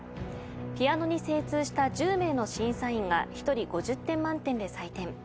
ピアノに精通した１０名の審査員が１人５０点満点で採点。